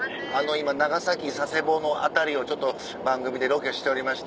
今長崎・佐世保の辺りをちょっと番組でロケしておりまして。